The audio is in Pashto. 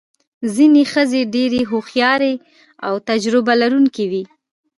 ځینې ښځې ډېرې هوښیارې او تجربه لرونکې وې.